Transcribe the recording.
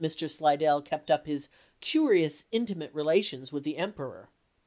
that Mr. Slidell kept up his curious intimate rela tions with the Emperor.